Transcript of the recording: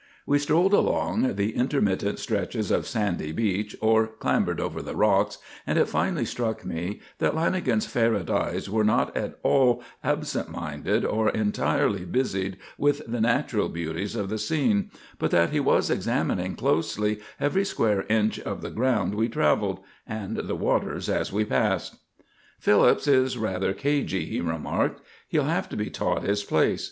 We strolled along the intermittent stretches of sandy beach or clambered over the rocks and it finally struck me that Lanagan's ferret eyes were not at all absent minded or entirely busied with the natural beauties of the scene, but that he was examining closely every square inch of the ground we travelled; and the waters as we passed. "Phillips is rather cagey," he remarked. "He'll have to be taught his place.